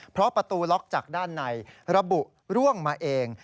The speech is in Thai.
เพราะประตูล็อกจากด้านในระบุร่วงมาเอง